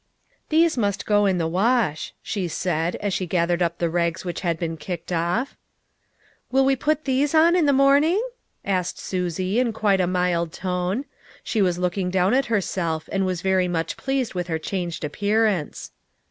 " These must go in the wash," she said, as she gathered up the rags which had been kicked off. "Will we put these on in the morning?" asked Susie, in quite a mild tone. She was looking down at herself and was very much pleased with her changed appearance.